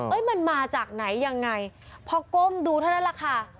มันมาจากไหนยังไงพอก้มดูเท่านั้นแหละค่ะ